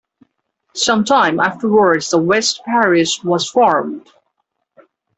Some time afterwards the West Parish was formed.